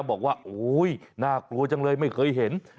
บอกว่าโอ้ยน่ากลัวจังเลยไม่เคยเห็น